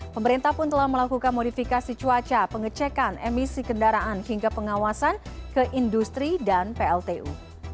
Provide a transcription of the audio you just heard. pemerintah pun telah melakukan modifikasi cuaca pengecekan emisi kendaraan hingga pengawasan ke industri dan pltu